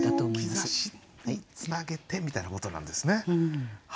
それを「兆し」につなげてみたいなことなんですね。